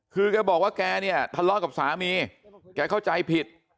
คือแกบอกว่าแกเนี่ยทะเลาะกับสามีแกเข้าใจผิด